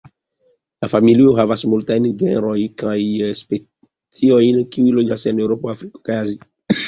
La familio havas multajn genrojn kaj speciojn kiuj loĝas en Eŭropo, Afriko kaj Azio.